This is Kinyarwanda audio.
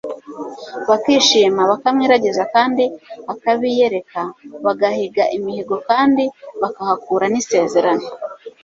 bakishima, bakamwiragiza kandi akabiyereka; bagahiga imihigo kandi bakahakura n'isezerano